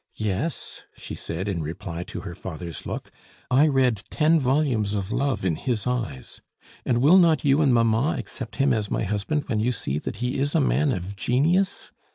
Yes," she said in reply to her father's look, "I read ten volumes of love in his eyes. And will not you and mamma accept him as my husband when you see that he is a man of genius?